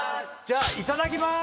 じゃあいただきます！